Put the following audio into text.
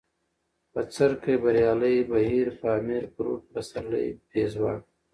بڅرکى ، بريالی ، بهير ، پامير ، پروټ ، پسرلی ، پېزوان